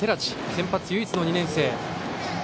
先発唯一の２年生。